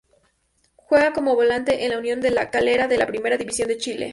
Juega como Volante en el Union La Calera de la Primera División de Chile.